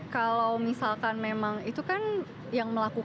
kalau misalkan memang itu kan yang melakukan memang punya tugasnya gitu ya